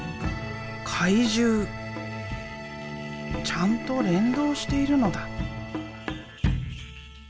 ちゃんと連動しているのだ。